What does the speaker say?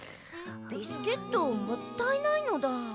ビスケットもったいないのだ。